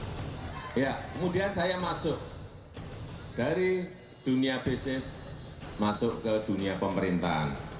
kemudian saya masuk dari dunia bisnis masuk ke dunia pemerintahan